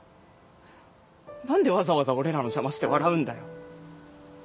何でわざわざ俺らの邪魔して笑うんだよ。